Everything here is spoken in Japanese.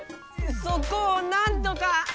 そこをなんとか！